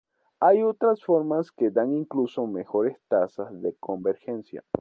Hay otras formas que dan incluso mejores tasas de convergencia.